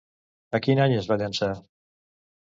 A quin any es va llançar?